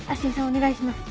お願いします。